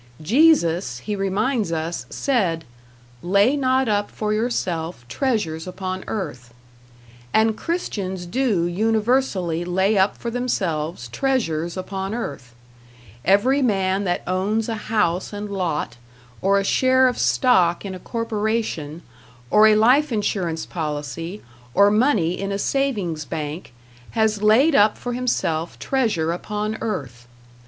Jesus, he reminds us, said, 'Lay not up for yourself treasures upon earth;' and Christians do universally lay up for themselves treasures upon earth; every man that owns a house and lot, or a share of stock in a corporation, or a life insurance policy, or money in a savings bank, has laid up for himself treasure upon earth.